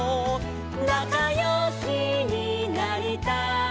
「なかよしになりたいな」